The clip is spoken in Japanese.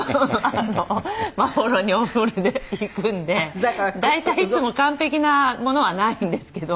眞秀にお古でいくんで大体いつも完璧なものはないんですけど。